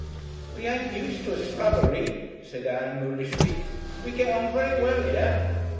"We ain't used to a s'rubbery," said Ann, mulishly; "we get on very well 'ere."